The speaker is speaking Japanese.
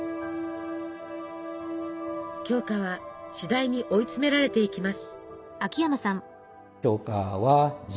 鏡花はしだいに追い詰められていきます。